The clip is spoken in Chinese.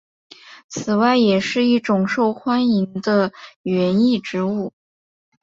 此外也是一种受欢迎的园艺植物。